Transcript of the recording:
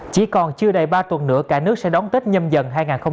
chỉ còn chưa đầy ba tuần nữa cả nước sẽ đóng tết nhâm dần hai nghìn hai mươi hai